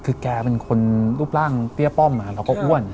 คือแกเป็นคนรูปร่างเตี้ยป้อมเราก็อ้วน